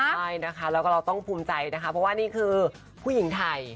ใช่นะคะแล้วก็เราต้องภูมิใจนะคะเพราะว่านี่คือผู้หญิงไทย